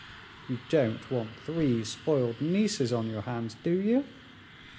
You don't want three spoiled nieces on your hands, do you?